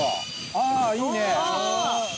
あいいね。